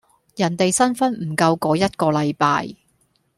人哋新婚唔夠嗰一個禮拜